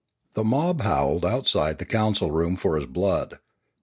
The mob howled outside the council room for his blood.